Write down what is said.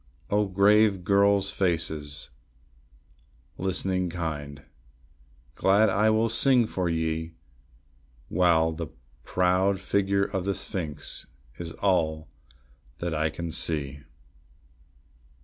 O grave girls' faces, listening kind! glad will I sing for ye, While the proud figure of the sphinx is all that I can see.